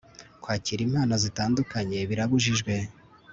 kwakira impano zitandukanye birabujijwe